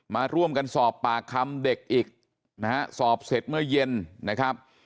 มาร่วมกันสอบปากคำเด็กอีกนะฮะสอบเสร็จเมื่อเย็นนะครับ